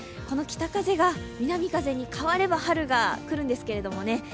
北風が南風に変われば、春がくるんですけどね。